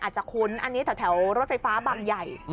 คุ้นอันนี้แถวรถไฟฟ้าบางใหญ่